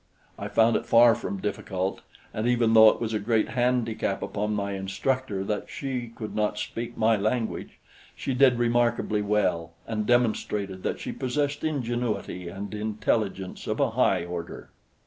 I found it far from difficult, and even though it was a great handicap upon my instructor that she could not speak my language, she did remarkably well and demonstrated that she possessed ingenuity and intelligence of a high order.